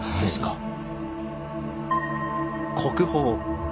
はい。